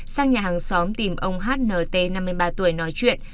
sang nhà hàng xóm tìm ông hnt năm mươi ba tuổi nói chuyện